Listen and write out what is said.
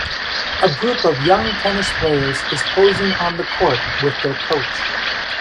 A group of young tennis players is posing on the court with their coach.